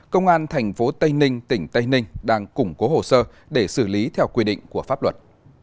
công an tp tây ninh tỉnh tây ninh đang củng cố hồ sơ để xử lý theo quy định của pháp luật